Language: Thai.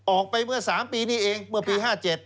ออกไปเมื่อ๓ปีนี้เองเมื่อปี๕๗